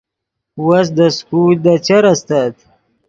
وس دے سکول دے چر استت